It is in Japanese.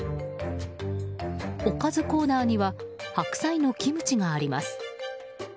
おかずコーナーには白菜のキムチがあります。